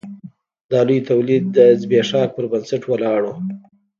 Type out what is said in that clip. دا لوی تولید د ځبېښاک پر بنسټ ولاړ و.